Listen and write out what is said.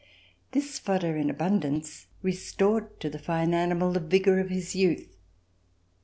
This fodder in abundance restored to the fine animal the vigor of his. youth.